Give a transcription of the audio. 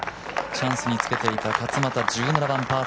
チャンスにつけていた勝俣、１７番パー。